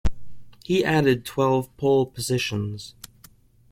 He added twelve pole positions.